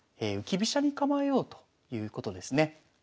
浮き飛車に構えようということですね。